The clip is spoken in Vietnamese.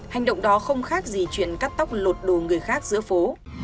hành động đó không khác gì chuyện cắt tóc lột đồ người khác giữa phố